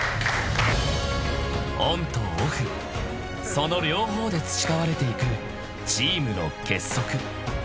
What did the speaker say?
［その両方で培われていくチームの結束］